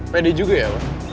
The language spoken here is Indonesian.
pede juga ya wak